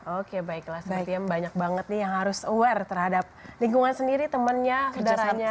oke baiklah semacam banyak banget nih yang harus aware terhadap lingkungan sendiri temannya saudaranya